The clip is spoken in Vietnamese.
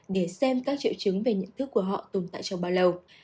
để xem các triệu chứng về nhận thức của họ tồn tại trong bao lâu